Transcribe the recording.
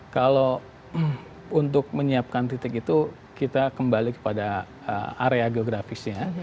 kalau untuk menyiapkan titik itu kita kembali kepada area geografisnya